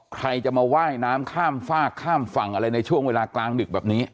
ใครจะมาว่ายน้ำข้ามฝากข้ามฝั่งอะไรในช่วงเวลากลางดึกแบบนี้